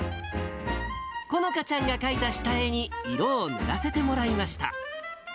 このかちゃんが描いた下絵に、色を塗らせてもらいました。